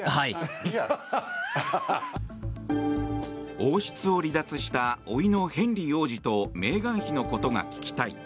王室を離脱したおいのヘンリー王子とメーガン妃のことが聞きたい。